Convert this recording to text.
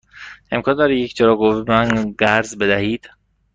امکان دارد یک چراغ قوه به من قرض بدهید؟